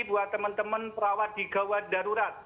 buat teman teman perawat di gawat darurat